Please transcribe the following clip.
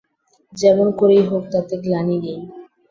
যেমন করেই হোক, তাতে গ্লানি নেই।